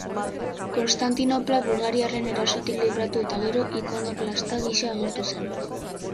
Konstantinopla bulgariarren erasotik libratu eta gero, ikonoklasta gisa agertu zen.